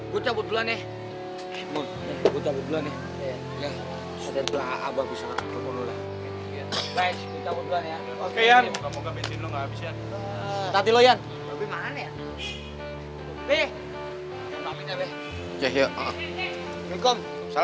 gue cabut duluan ya